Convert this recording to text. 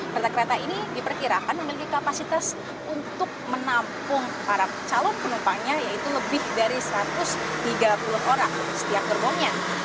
kereta kereta ini diperkirakan memiliki kapasitas untuk menampung para calon penumpangnya yaitu lebih dari satu ratus tiga puluh orang di setiap gerbongnya